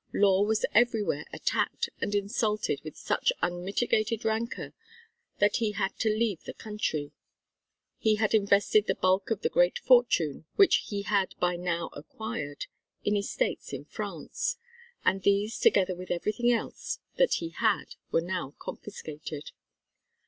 Law was everywhere attacked and insulted with such unmitigated rancour that he had to leave the country. He had invested the bulk of the great fortune which he had by now acquired, in estates in France; and these together with everything else that he had were now confiscated.